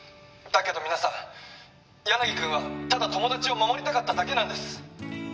「だけど皆さん柳くんはただ友達を守りたかっただけなんです」